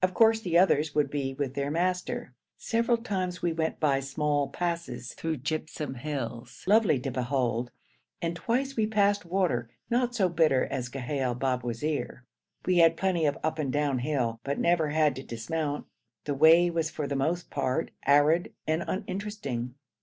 Of course the others would be with their master. Several times we went by small passes through gypsum hills, lovely to behold, and twice we passed water, not so bitter as Ghail Babwazir. We had plenty of up and down hill, but never had to dismount. The way was, for the most part, arid and uninteresting.